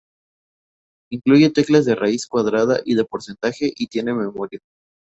Incluye teclas de raíz cuadrada y de porcentaje y tiene memoria.